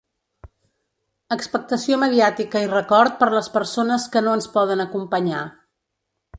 Expectació mediàtica i record per les persones que no ens poden acompanyar.